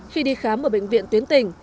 khi đi khám ở bệnh viện tuyến tỉnh